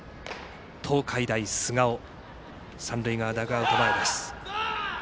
東海大菅生、三塁側ダグアウト前。